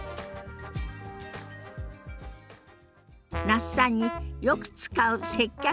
那須さんによく使う接客